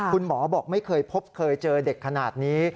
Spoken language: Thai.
บอกไม่เคยพบเคยเจอเด็กขนาดนี้